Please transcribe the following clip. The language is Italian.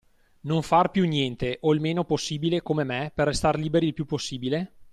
Non far più niente, o il meno possibile, come me, per restar liberi il più possibile?